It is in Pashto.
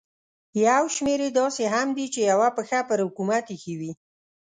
یو شمېر یې داسې هم دي چې یوه پښه پر حکومت ایښې وي.